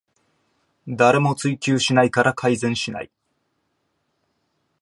誰も追及しないから改善しない